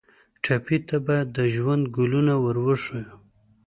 ټپي ته باید د ژوند ګلونه ور وښیو.